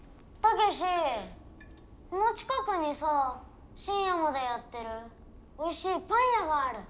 この近くにさ深夜までやってるおいしいパン屋がある。